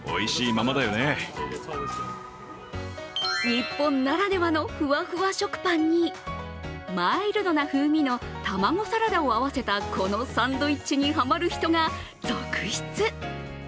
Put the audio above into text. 日本ならではのふわふわ食パンにマイルドな風味の卵サラダを合わせたこのサンドイッチにハマる人が続出。